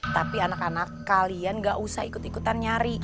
tapi anak anak kalian gak usah ikut ikutan nyari